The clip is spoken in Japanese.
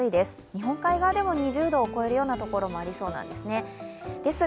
日本海側でも２０度を超えるようなところもありそうなんです。